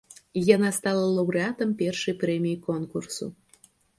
Яна стала лаўрэатам першай прэміяй конкурсу.